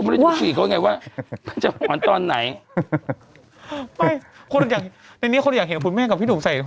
ว่าฝีเขาไงว่ามันจะหอนตอนไหนไม่คนอยากในนี้คนอยากเห็นคุณแม่กับพี่ดุมใส่